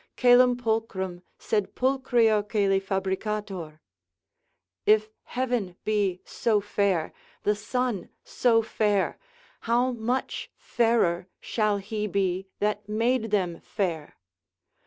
Coelum pulchrum, sed pulchrior coeli fabricator; if heaven be so fair, the sun so fair, how much fairer shall he be, that made them fair?